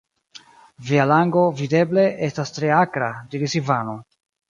Via lango, videble, estas tre akra, diris Ivano.